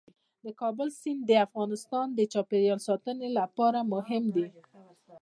د کابل سیند د افغانستان د چاپیریال ساتنې لپاره مهم دي.